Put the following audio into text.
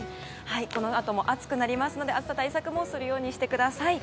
このあとも暑くなりますので暑さ対策をしてください。